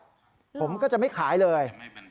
หรอแล้วผมก็จะไม่ขายเลย